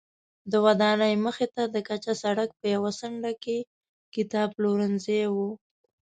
د ودانۍ مخې ته د کچه سړک په یوه څنډه کې کتابپلورځی و.